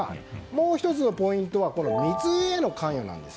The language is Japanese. もう１つのポイントは密輸への関与なんです。